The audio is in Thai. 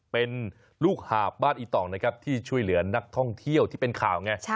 เป็นลูกหาบบ้านอีต่องนะครับที่ช่วยเหลือนักท่องเที่ยวที่เป็นข่าวไง